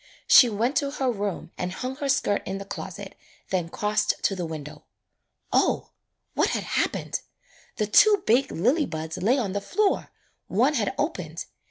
She went to her room and hung her skirt in the closet, then crossed to the window. O, what had happened! The two big lily buds lay on the .floor, one had opened.